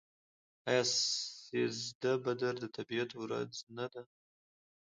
آیا سیزده بدر د طبیعت ورځ نه ده؟